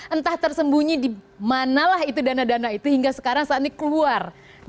entah tersembunyi di manalah itu dana dana itu hingga sekarang saat ini keluar